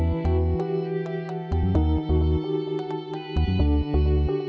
di sini dki pendaftaran baru aku pulang